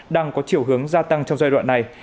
đang có chiều hướng gia tăng trong giai đoạn này